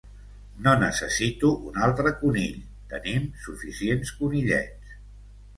No necessito un altre conill. Tenim suficients conillets.